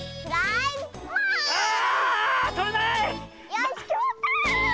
よしきまった！